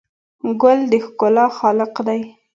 ګل د ښکلا خالق دی.